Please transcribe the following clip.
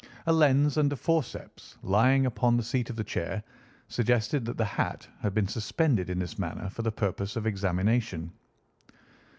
A lens and a forceps lying upon the seat of the chair suggested that the hat had been suspended in this manner for the purpose of examination.